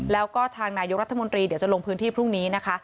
แล้วก็ทางนายกรัฐมนตรีเดี๋ยวจะลงพื้นที่พรุ่งนี้นะคะ